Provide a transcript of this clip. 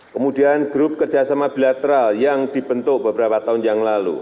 kemudian grup kerjasama bilateral yang dibentuk beberapa tahun yang lalu